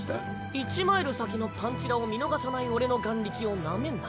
１マイル先のパンチラを見逃さない俺の眼力をなめんな。